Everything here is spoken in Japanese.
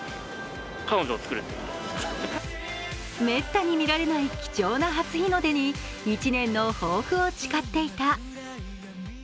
滅多にみられない貴重な初日の出に１年の抱負を誓っていた。